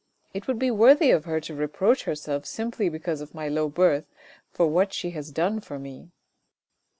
It would be worthy of her to reproach herself simply because of my low birth, for what she has done for me."